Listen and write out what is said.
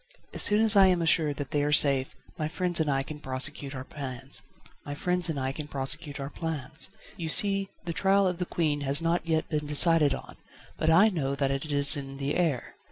"As soon as I am assured that they are safe, my friends and I can prosecute our plans. You see the trial of the Queen has not yet been decided on, but I know that it is in the air.